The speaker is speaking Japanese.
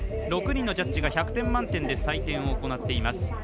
６人のジャッジが１００点満点で採点を行っています。